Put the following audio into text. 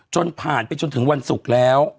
จนผ่านไปจนถึงวันศุกร์แล้ว